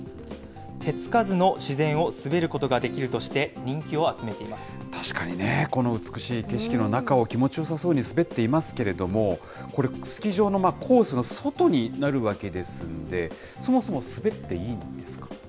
手付かずの自然を滑ることができ確かにね、この美しい景色の中を気持ちよさそうに滑っていますけれども、これ、スキー場のコースの外になるわけですんで、そもそも滑っていいのですか？